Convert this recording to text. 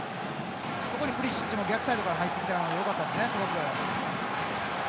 そこにプリシッチも逆サイドから入ってきたのでよかったですね、すごく。